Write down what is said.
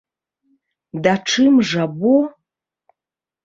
Да чым жа бо?!